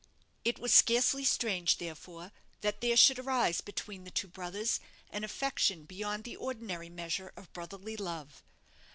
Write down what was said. It was scarcely strange, therefore, that there should arise between the two brothers an affection beyond the ordinary measure of brotherly love.